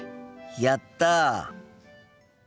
やった！